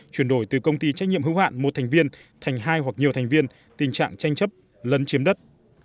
chuyển đổi từ công ty trách nhiệm hữu hạn một thành viên thành hai hoặc nhiều thành viên tình trạng tranh chấp lấn chiếm đất